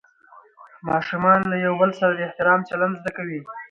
ماشومان له یو بل سره د احترام چلند زده کوي